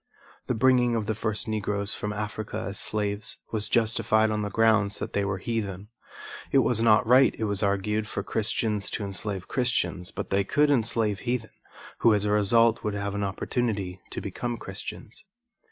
The bringing of the first Negroes from Africa as slaves was justified on the grounds that they were heathen. It was not right, it was argued, for Christians to enslave Christians, but they could enslave heathen, who as a result would have an opportunity to become Christians.